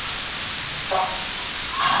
ته تر دغه مخکي ناخبره وي.